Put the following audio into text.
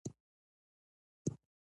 که دا رڼا مړه شي، انسانیت تیاره کېږي.